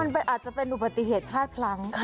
มันอาจจะเป็นอุบัติเหตุพลาดพลั้ง